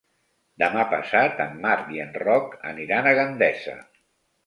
Demà passat en Marc i en Roc aniran a Gandesa.